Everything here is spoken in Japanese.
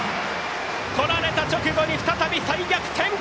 取られた直後に再逆転。